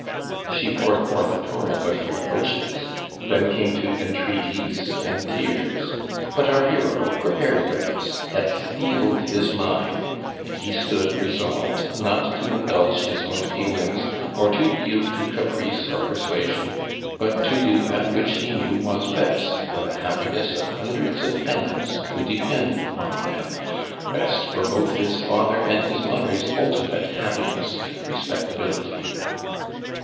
She poured forth a torrent of reproaches; then came to entreaties and tears. But our hero, prepared for this, had steeled his mind; and he stood resolved not to indulge his own feelings, or to yield to caprice or persuasion, but to do that which he knew was best for the happiness of hundreds of tenants who depended upon them best for both his father and his mother's ultimate happiness and respectability.